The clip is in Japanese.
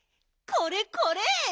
これこれ！